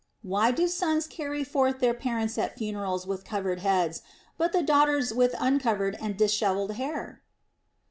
Why do sons carry forth their parents at funerals with covered heads, but the daughters with uncov ered and dishevelled hair'?